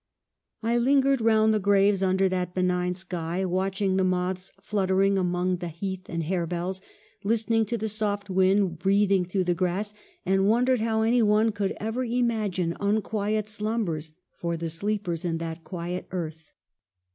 " I lingered round the graves under that be nign sky ; watched the moths fluttering among the heath and harebells, listened to the soft wind breathing through the grass ; and wondered how any one could ever imagine unquiet slumbers for the sleepers in that quiet earth."